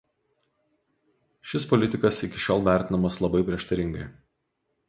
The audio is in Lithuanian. Šis politikas iki šiol vertinamas labai prieštaringai.